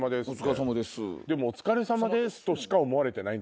お疲れさまです。